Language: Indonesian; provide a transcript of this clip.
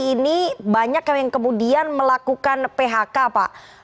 ini banyak yang kemudian melakukan phk pak